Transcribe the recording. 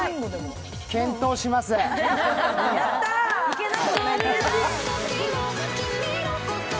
検討します。